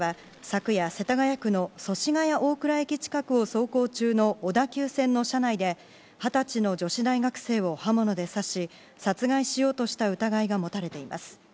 警視庁によりますと逮捕された對馬悠介容疑者は昨夜、世田谷区の祖師ヶ谷大蔵駅近くを走行中の小田急線の車内で、２０歳の女子大学生を刃物で刺し、殺害しようとした疑いが持たれています。